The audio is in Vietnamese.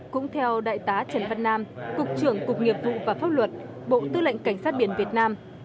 cũng theo đại tá trần văn nam cục trưởng cục nghiệp vụ và pháp luật bộ tư lệnh cảnh sát biển việt nam